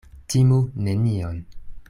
Timu nenion.